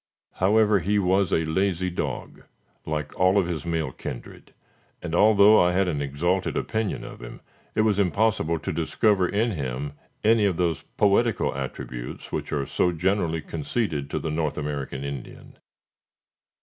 However, he was a lazy dog, like all of his male kindred, and, although I had an exalted opinion of him, it was impossible to discover in him any of those poetical attributes which are so generally conceded to the North American Indian.